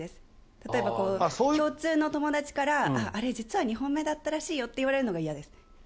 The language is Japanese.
例えば、共通の友達からあれ実は２本目だったらしいよって言われるのが嫌です。